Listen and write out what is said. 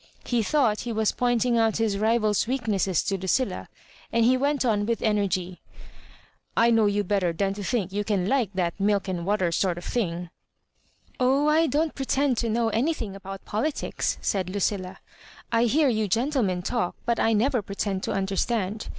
He thought he was pointing out his rival's weakness to Lucilla, and he went on with energy —*' I know you better than to think you can like that milk and water sort of thing." " Oh, I don't pretend to know anything about politics," said Lucilla. I hear you gentlemen talk, but I never pretend to understand.